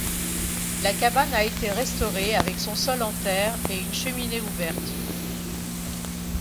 La cabane a été restaurée avec son sol en terre et une cheminée ouverte.